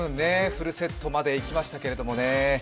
フルセットまでいきましたけどね。